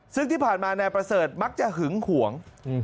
ซึ่งที่ผ่านมานายประเสริฐมักจะหึงหวง